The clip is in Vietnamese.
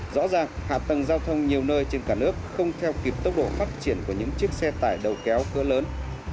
rõ ràng hạ tầng giao thông nhiều nơi trên cả nước không theo kịp tốc độ phát triển của những chiếc xe tải đầu kéo cỡ lớn